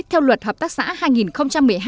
theo luật hợp tác xã hai nghìn một mươi hai